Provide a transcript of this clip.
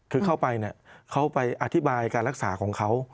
คือเข้าไปเนี่ยเขาไปอธิบายการรักษาของเขา